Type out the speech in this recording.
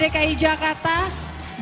keuntungan ujung kota ini